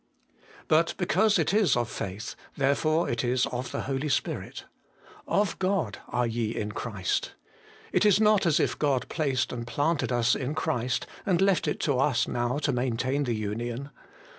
But because it is of faith, therefore it is of the Holy Spirit. Of God are ye in Christ. It is not as if God placed and planted us in Christ, and left it to us now to maintain the union.